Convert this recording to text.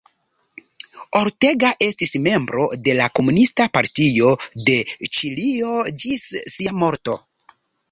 Ortega estis membro de la Komunista Partio de Ĉilio ĝis sia morto.